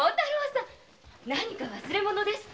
何か忘れ物ですか？